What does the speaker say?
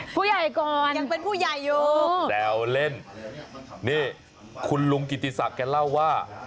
ผู้ใหญ่ก่อนแดวเล่นคุณลุงกินติศักดิ์แก่เล่าว่า